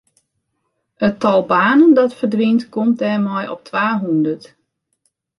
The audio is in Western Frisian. It tal banen dat ferdwynt komt dêrmei op twahûndert.